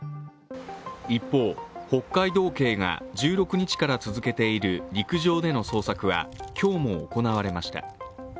一方、北海道警が１６日から続けている陸上での捜索は今日も行われました。